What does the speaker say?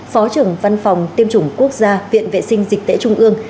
phó trưởng văn phòng tiêm chủng quốc gia viện vệ sinh dịch tễ trung ương